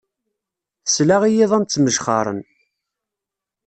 Tesla i yiḍan ttmejxaren.